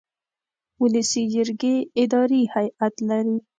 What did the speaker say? ولسي جرګې اداري هیئت لري.